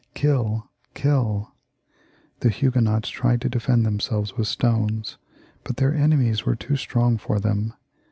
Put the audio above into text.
" Kill, Trill/' The Huguenots tried to defend themselves with stones, but their enemies were too strong for them.